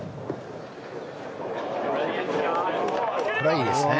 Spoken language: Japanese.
いいですね。